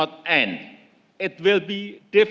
untuk bergerak ke depan